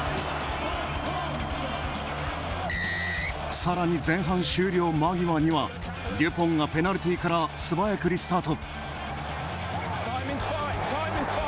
さらに、前半終了間際にはデュポンがペナルティから素早くリスタート。